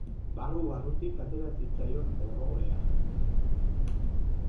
Barru-barrutik atera zitzaion orroea.